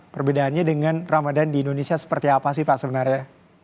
perbedaannya dengan ramadan di indonesia seperti apa sih pak sebenarnya